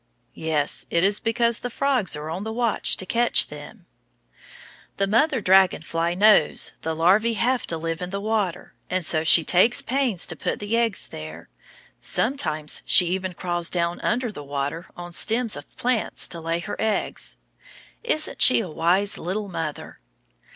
Yes, it is because the frogs are on the watch to catch them. The mother dragon fly knows the larvæ have to live in the water, and so she takes pains to put the eggs there; sometimes she even crawls down under the water on stems of plants to lay her eggs. Isn't she a wise little mother?